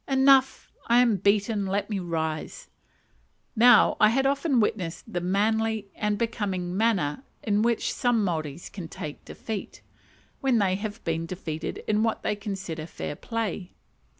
"Enough! I am beaten; let me rise." Now I had often witnessed the manly and becoming manner in which some Maoris can take defeat, when they have been defeated in what they consider fair play.